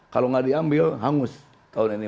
kalau nggak diambil hangus tahun ini